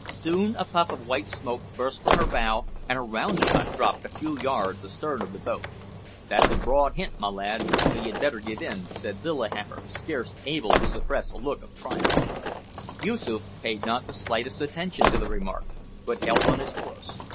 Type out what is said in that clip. Soon a puff of white smoke burst from her bow, and a round shot dropped a few yards astern of the boat. "That's a broad hint, my lad, so you'd better give in," said Lillihammer, scarce able to suppress a look of triumph. Yoosoof paid not the slightest attention to the remark, but held on his course.